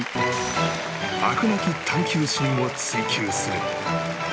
なき探究心を追求する